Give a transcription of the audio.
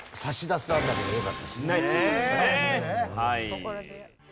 心強い。